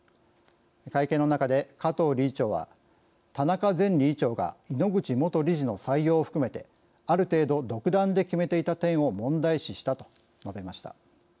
会見の中で、加藤理事長は「田中前理事長が井ノ口元理事の採用を含めてある程度、独断で決めていた点を問題視した」と述べました。